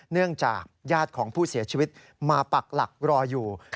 เนื่องจากญาติของผู้เสียชีวิตมาปักหลักรออยู่